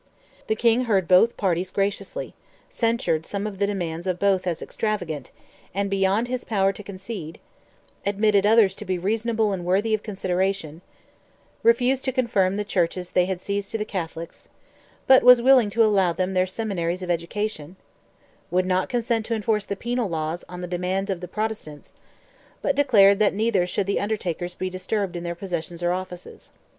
The King heard both parties graciously—censured some of the demands of both as extravagant, and beyond his power to concede—admitted others to be reasonable and worthy of consideration—refused to confirm the churches they had seized to the Catholics—but was willing to allow them their "seminaries of education"—would not consent to enforce the penal laws on the demand of the Protestants—but declared that neither should the Undertakers be disturbed in their possessions or offices.